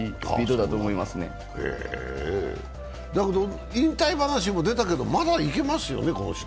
だけど引退話も出たけどまだいけますよね、この人。